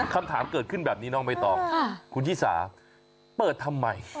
คำถามเกิดขึ้นแบบนี้น้องใบตองคุณชิสาเปิดทำไม